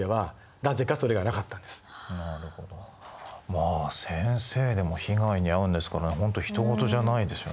まあ先生でも被害に遭うんですからほんとひと事じゃないですよね。